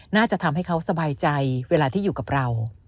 น่าจะทำให้เขาสบายใจเวลาที่อยู่กับเรา